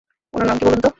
উনার নাম কি বলুন তো!